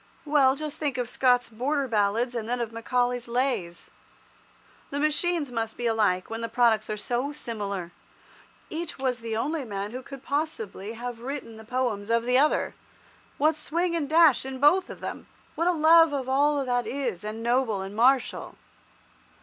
Well, just think of Scott's "Border Ballads," and then of Macaulay's "Lays." The machines must be alike, when the products are so similar. Each was the only man who could possibly have written the poems of the other. What swing and dash in both of them! What a love of all that is manly and noble and martial!